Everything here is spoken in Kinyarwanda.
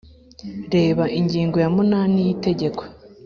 reba ingingo ya munani y’itegeko